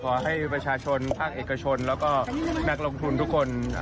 ขอให้ประชาชนภาคเอกชนแล้วก็นักลงทุนทุกคน